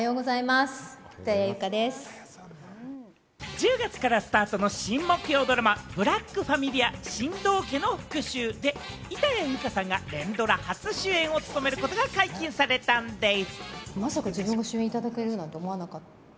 １０月からスタートの新木曜ドラマ『ブラックファミリア新堂家の復讐』で、板谷由夏さんが連ドラ初主演を務めることが解禁されたんでぃす。